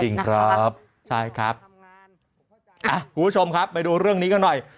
จริงครับใช่ครับอ่ะคุณผู้ชมครับไปดูเรื่องนี้กันหน่อย